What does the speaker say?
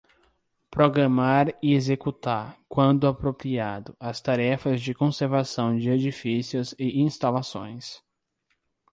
Programar e executar, quando apropriado, as tarefas de conservação de edifícios e instalações.